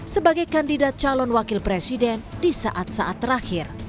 sebagai kandidat calon wakil presiden di saat saat terakhir